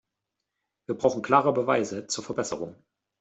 Wir brauchen klare Beweise zur Verbesserung.